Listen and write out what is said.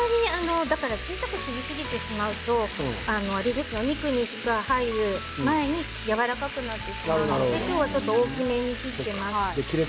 小さく切ってしまうとお肉に火が入る前にやわらかくなってしまうので今日は大きめに切っています。